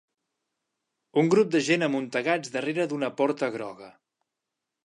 Un grup de gent amuntegats darrere d'una porta groga.